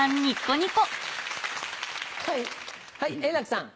はい円楽さん。